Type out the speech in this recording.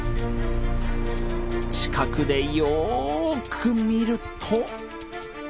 近くでよく見ると。